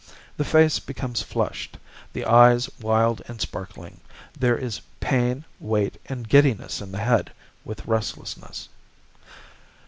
The face becomes flushed, the eye wild and sparkling; there is pain, weight, and giddiness in the head, with restlessness.